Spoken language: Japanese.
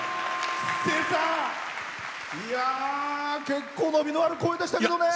結構伸びのある声でしたけどね。